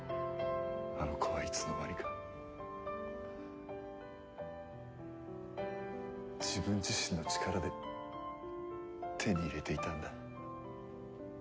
あの子はいつの間にか自分自身の力で手に入れていたんだ。